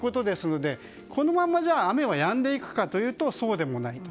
このまま雨はやんでいくかというとそうでもないと。